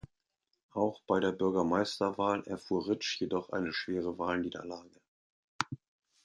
Auch bei der Bürgermeisterwahl erfuhr Ritsch jedoch eine schwere Wahlniederlage.